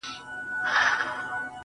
• تاسو په درد مه كوئ.